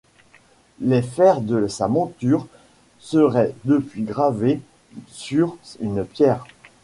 Les fers de sa monture seraient depuis gravés sur une pierre.